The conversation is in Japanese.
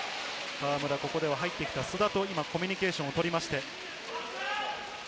河村、ここで入ってきた須田とコミュニケーションをとりました。